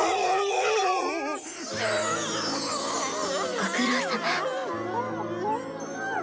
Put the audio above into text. ご苦労さま。